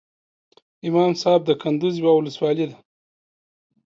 امام صاحب دکندوز یوه ولسوالۍ ده